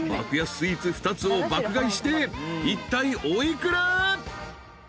スイーツ２つを爆買いしていったいお幾ら？］